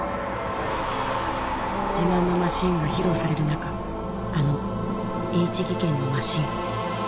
自慢のマシンが披露される中あのＨ技研のマシン。